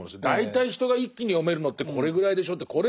大体人が一気に読めるのってこれぐらいでしょって。